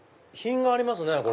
品がありますね。